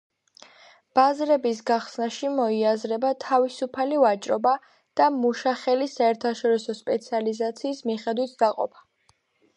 ბაზრების გახსნაში მოიაზრება თავისუფალი ვაჭრობა და მუშახელის საერთაშორისო სპეციალიზაციის მიხედვით დაყოფა.